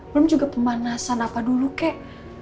belum juga pemanasan apa dulu kek